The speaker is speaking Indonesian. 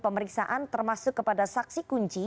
pemeriksaan termasuk kepada saksi kunci